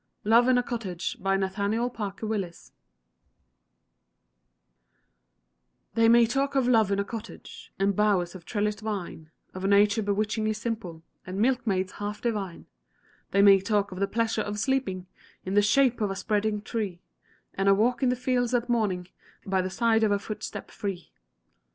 _ LOVE IN A COTTAGE They may talk of love in a cottage, And bowers of trellised vine Of nature bewitchingly simple, And milkmaids half divine; They may talk of the pleasure of sleeping In the shade of a spreading tree, And a walk in the fields at morning, By the side of a footstep free!